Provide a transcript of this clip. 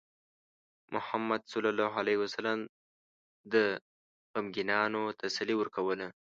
محمد صلى الله عليه وسلم د غمگینانو تسلي ورکوله.